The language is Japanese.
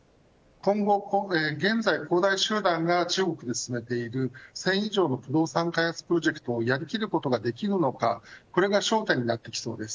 今後、現在恒大集団が中国で進めている１０００以上の不動産開発プロジェクトをやりきることができるのかこれが焦点になってきそうです。